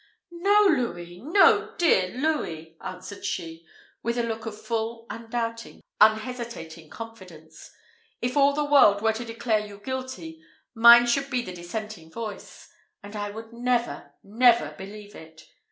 "No, Louis no, dear Louis!" answered she, with a look of full, undoubting, unhesitating confidence; "if all the world were to declare you guilty, mine should be the dissenting voice; and I would never, never believe it.